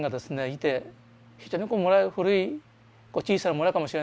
いて非常に古い小さな村かもしれないけれど